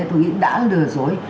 tôi nghĩ đã lừa dối